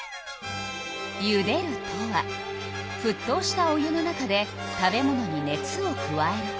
「ゆでる」とはふっとうしたお湯の中で食べ物に熱を加えること。